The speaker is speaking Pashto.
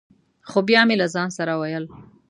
خو بیا مې له ځان سره ویل: